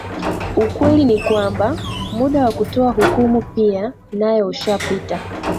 ukweli ni kwamba muda wa kutoa hukumu pia nayo ushapita